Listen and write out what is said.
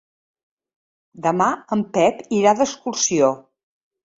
Demà en Pep irà d'excursió.